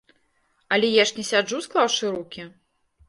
Але я ж не сяджу, склаўшы рукі.